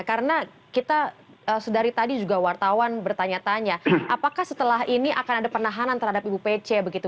karena kita sedari tadi juga wartawan bertanya tanya apakah setelah ini akan ada penahanan terhadap ibu pc begitu